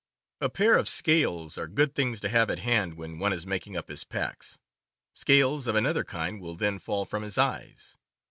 A pair of scales are good things to have at hand when one is making up his packs. Scales of another kind will then fall from his eyes.